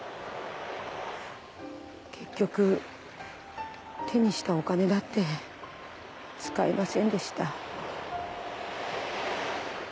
結局手にしたお金だって使えませんでした。